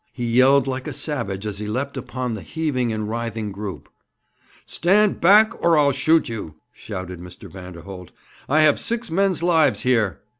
He yelled like a savage as he leapt upon the heaving and writhing group. 'Stand back, or I'll shoot you!' shouted Mr. Vanderholt. 'I have six men's lives here.'